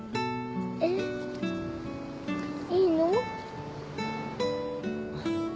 えっ？いいの？